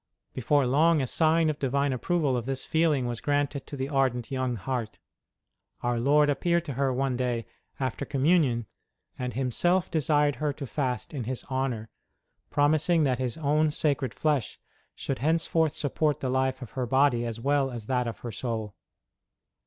Before long a sign of Divine approval of this feeling was granted to the ardent young heart. Our Lord appeared to her one day, after Communion, and Himself desired her to fast in His honour, promising that His own Sacred Flesh should henceforth support the life of her body as well as that of her soul.